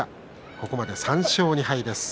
ここまで３勝２敗です。